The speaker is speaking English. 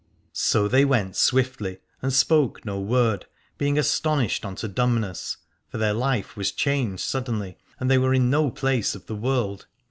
So they went swiftly and spoke no word, being astonished unto dumbness : for their life was changed suddenly and they were in no place of the world.